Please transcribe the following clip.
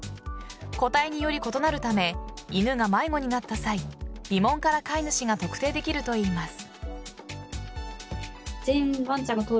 個体により異なるため犬が迷子になった際鼻紋から飼い主が特定できるといいます。